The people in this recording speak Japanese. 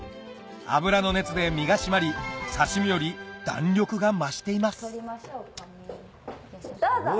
油の熱で身が締まり刺身より弾力が増しています取りましょうかね。